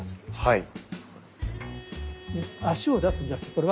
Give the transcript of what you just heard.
はい。